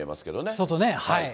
外ね。